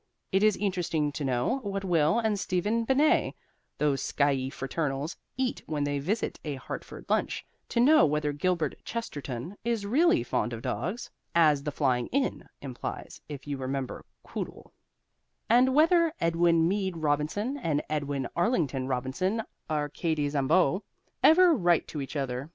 It is interesting to know what Will and Stephen Benét (those skiey fraternals) eat when they visit a Hartford Lunch; to know whether Gilbert Chesterton is really fond of dogs (as "The Flying Inn" implies, if you remember Quoodle), and whether Edwin Meade Robinson and Edwin Arlington Robinson, arcades ambo, ever write to each other.